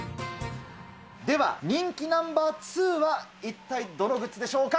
では人気ナンバー２は一体、どのグッズでしょうか。